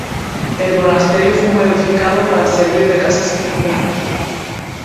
El monasterio fue modificado para servir de casa señorial.